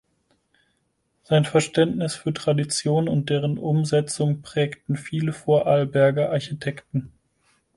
Sein Verständnis für Tradition und deren Umsetzung prägten viele Vorarlberger Architekten.